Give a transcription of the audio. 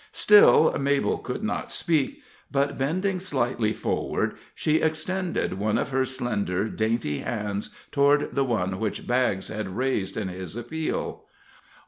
Still Mabel could not speak; but, bending slightly forward, she extended one of her slender, dainty hands toward the one which Baggs had raised in his appeal.